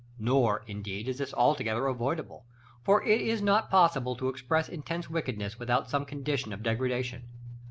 Nor, indeed, is this altogether avoidable, for it is not possible to express intense wickedness without some condition of degradation.